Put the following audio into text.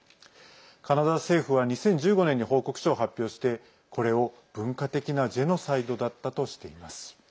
カナダ政府は２０１５年に報告書を発表してこれを、文化的なジェノサイドだったとしています。